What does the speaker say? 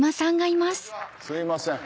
すいません。